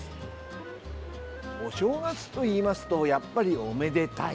お正月といいますとやっぱり、おめでたい。